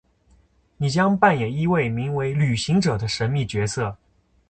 你将扮演一位名为「旅行者」的神秘角色。